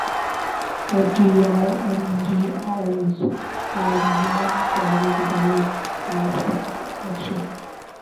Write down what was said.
F B رکا N G Os اور non profit اداروں کیخلاف سخت ایکشن